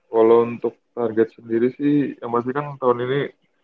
kalau untuk target sendiri sih yang pasti kan tahun ini